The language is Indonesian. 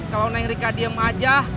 kalau naik rika diem aja